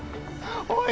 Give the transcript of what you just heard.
おい